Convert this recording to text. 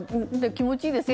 気持ちいいですよ